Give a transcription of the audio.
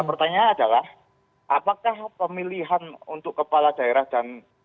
nah pertanyaan adalah apakah pemilihan untuk kepala daerah dan